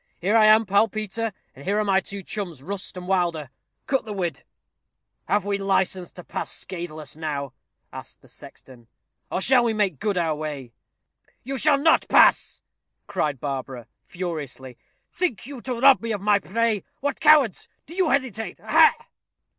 Here I am, pal Peter; and here are my two chums, Rust and Wilder. Cut the whid." "Have we license to pass scathless now?" asked the sexton; "or shall we make good our way?" "You shall not pass," cried Barbara, furiously. "Think you to rob me of my prey? What, cowards! do you hesitate? Ha!"